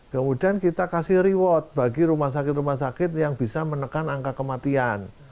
kemudian kita kasih reward bagi rumah sakit rumah sakit yang bisa menekan angka kematian